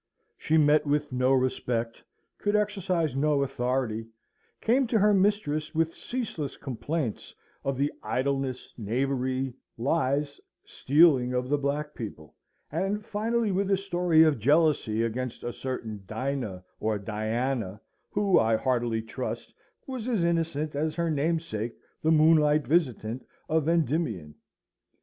She met with no respect, could exercise no authority, came to her mistress with ceaseless complaints of the idleness, knavery, lies, stealing of the black people; and finally with a story of jealousy against a certain Dinah, or Diana, who, I heartily trust, was as innocent as her namesake the moonlight visitant of Endymion.